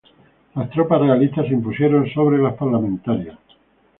Las tropas realistas se impusieron sobre las parlamentarias.